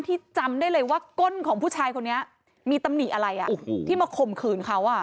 จำได้เลยว่าก้นของผู้ชายคนนี้มีตำหนิอะไรที่มาข่มขืนเขาอ่ะ